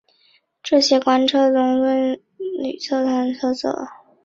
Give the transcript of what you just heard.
这些观测中最著名的当属宇宙背景探测者。